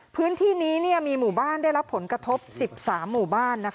พื้นที่นี้มีหมู่บ้านได้รับผลกระทบ๑๓หมู่บ้าน